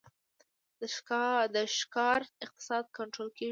د ښکار اقتصاد کنټرول کیږي